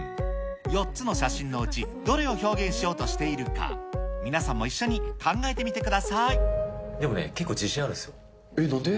４つの写真のうち、どれを表現しようとしているか、皆さんも一緒でもね、結構自信あるんですなんで？